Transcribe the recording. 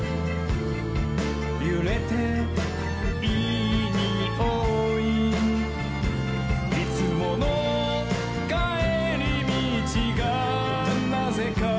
「ゆれていいにおい」「いつものかえりみちがなぜか」